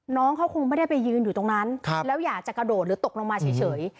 น้องเขาคงไม่ได้ไปยืนอยู่ตรงนั้นแล้วอยากจะกระโดดหรือตกลงมาเฉย